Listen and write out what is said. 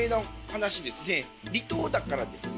離島だからですね